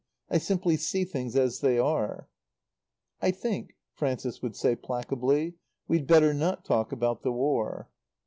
I simply see things as they are." "I think," Frances would say placably, "we'd better not talk about the War."